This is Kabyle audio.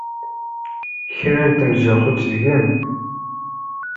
Kra n temzuxxut deg-m!